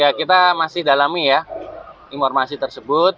ya kita masih dalami ya informasi tersebut